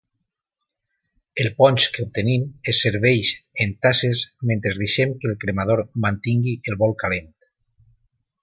El ponx que obtenim es serveix en tasses mentre deixem que el cremador mantingui el bol calent.